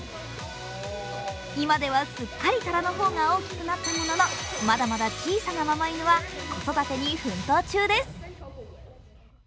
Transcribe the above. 今ではすっかり虎の方が大きくなったものの、まだまだ小さなママ犬は子育てに奮闘中です。